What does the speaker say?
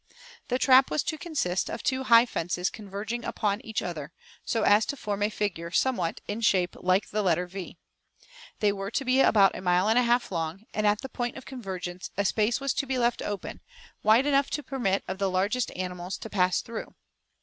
The trap was to consist of two high fences converging upon each other, so as to form a figure somewhat in shape like the letter V. They were to be about a mile and a half long; and at the point of convergence a space was to be left open, wide enough to permit of the largest animal to pass through.